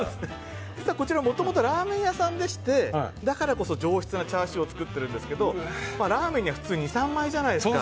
実はこちらもともとラーメン屋さんでしてだからこそ上質なチャーシューを作ってるんですがラーメンには普通２３枚じゃないですか。